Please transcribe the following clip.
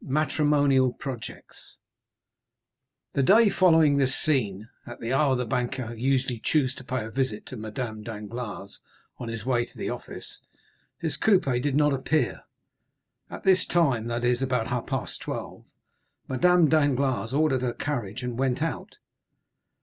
Matrimonial Projects The day following this scene, at the hour Debray usually chose to pay a visit to Madame Danglars on his way to his office, his coupé did not appear. At this time, that is, about half past twelve, Madame Danglars ordered her carriage, and went out.